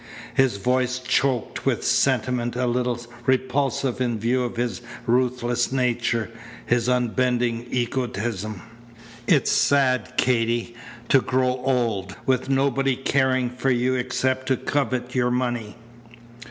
His voice choked with a sentiment a little repulsive in view of his ruthless nature, his unbending egotism. "It's sad, Katy, to grow old with nobody caring for you except to covet your money."